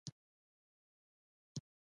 د روغتیا هیله لرم.